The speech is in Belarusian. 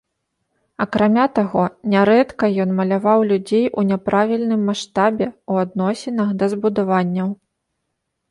Акрамя таго, нярэдка ён маляваў людзей у няправільным маштабе ў адносінах да збудаванняў.